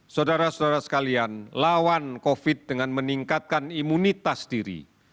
saudara saudara sekalian lawan covid dengan meningkatkan imunitas diri